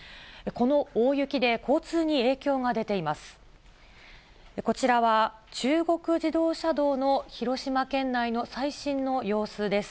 この大雪で交通に影響が出ています。